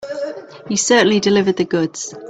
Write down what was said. You certainly delivered the goods.